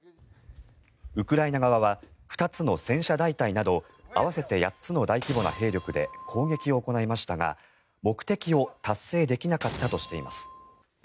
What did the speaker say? ウクライナ側は２つの戦車大隊など合わせて８つの大規模な兵力で攻撃を行いましたが目的を達成できなかったとしています。